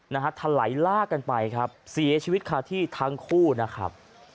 นะฮะทะไหลลากกันไปครับเสียชีวิตคาที่ทั้งคู่นะครับ